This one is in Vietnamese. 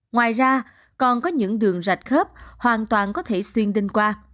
ngoài ra còn có những đường rạch khớp hoàn toàn có thể xuyên đinh quang